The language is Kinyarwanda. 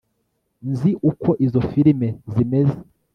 nzi uko izo firime zimeze